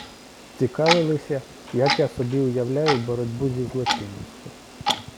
Цікавилися, як я собі уявляю боротьбу зі злочинністю.